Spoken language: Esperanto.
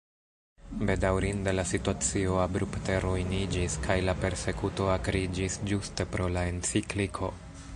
Bedaŭrinde la situacio abrupte ruiniĝis kaj la persekuto akriĝis ĝuste pro la encikliko.